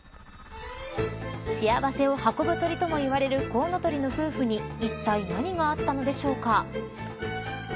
幸せを運ぶ鳥ともいわれるコウノトリの夫婦にいったい何があったのでしょうか。